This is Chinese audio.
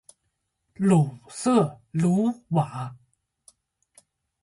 鲁瑟卢瓦。